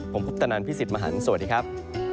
ผมพุทธนันทร์พี่สิทธิ์มหานสวัสดีครับ